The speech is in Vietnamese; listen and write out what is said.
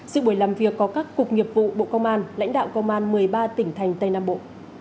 sự buổi làm việc có các cục nghiệp vụ bộ công an lãnh đạo công an một mươi ba tỉnh thành tây nam bộ